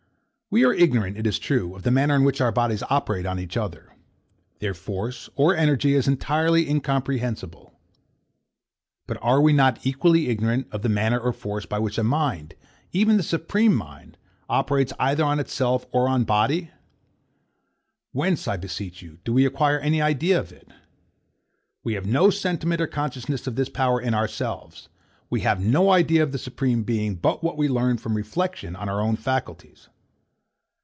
We are ignorant, it is true, of the manner in which bodies operate on each other: Their force or energy is entirely incomprehensible: But are we not equally ignorant of the manner or force by which a mind, even the supreme mind, operates either on itself or on body? Whence, I beseech you, do we acquire any idea of it? We have no sentiment or consciousness of this power in ourselves. We have no idea of the Supreme Being but what we learn from reflection on our own faculties.